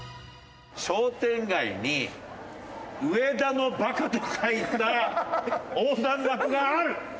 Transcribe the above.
商店街に「上田のバカ」と書いた横断幕がある！